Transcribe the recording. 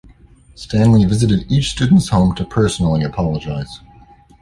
Stanley visited each student's home to personally apologize.